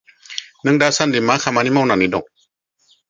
नों दासान्दि मा खामानि मावनानै दं?